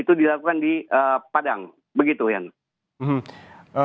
itu dilakukan di padang begitu yan